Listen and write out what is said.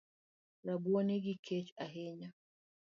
Rabuoni gi kech ahinya